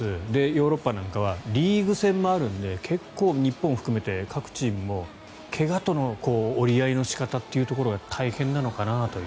ヨーロッパなんかはリーグ戦もあるんで結構、日本を含めて各チームも怪我との折り合いの仕方というところが大変なのかなと。